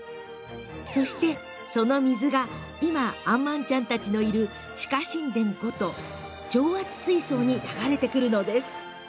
そして、その水が今あんまんちゃんたちのいる地下神殿こと調圧水槽に流れてくるのです。